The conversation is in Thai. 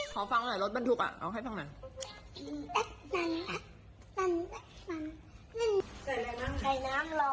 ขอฟังหน่อยโรศบันทุกข์เอาให้ฟังหน่อย